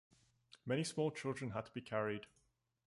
Many small children had to be carried.